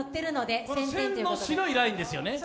１０００の白いラインですよね。